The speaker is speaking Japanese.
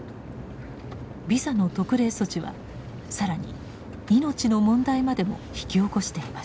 ビザの特例措置は更に命の問題までも引き起こしていました。